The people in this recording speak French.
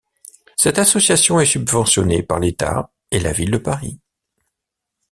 Cette association est subventionnée par l'État et la ville de Paris.